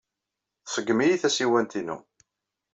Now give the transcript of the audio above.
Tṣeggem-iyi tasiwant-inu.